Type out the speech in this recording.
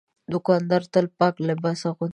دوکاندار تل پاک لباس اغوندي.